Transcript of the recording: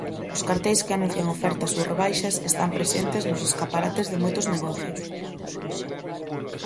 Os carteis que anuncian ofertas ou rebaixas están presentes nos escaparates de moitos negocios.